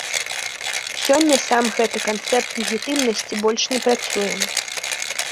Сёння сам гэты канцэпт легітымнасці больш не працуе.